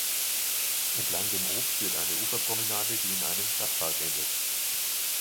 Entlang dem Ob führt eine Uferpromenade, die in einem Stadtpark endet.